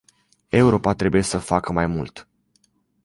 Europa trebuie să facă mai mult.